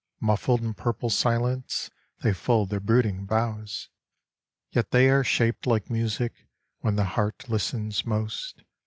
Muffled in purple silence They fold their brooding boughs. Yet they are shaped like music When the heart listens most